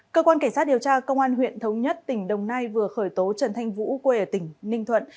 cơ quan cảnh sát điều tra công an huyện thống nhất tỉnh đồng nai vừa khởi tố trần thanh vũ quê ở tỉnh ninh thuận